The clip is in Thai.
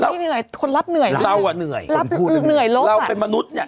เขาไม่เหนื่อยคนรับเหนื่อยเราอ่ะเหนื่อยคนพูดเหนื่อยโลกอ่ะเราเป็นมนุษย์เนี้ย